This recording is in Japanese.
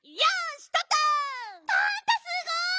パンタすごい！